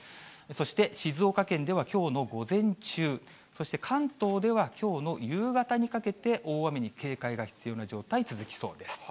そして静岡県ではきょうの午前中、そして関東ではきょうの夕方にかけて、大雨に警戒が必要な状態、続きそうです。